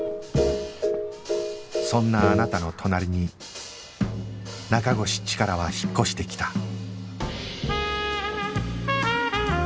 そんなあなたの隣に中越チカラは引っ越してきた